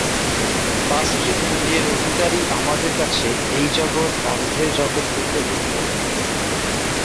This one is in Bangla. পাঁচটি ইন্দ্রিয়ের অধিকারী আমাদের কাছে এই জগৎ অন্ধের জগৎ হইতে ভিন্নরূপ।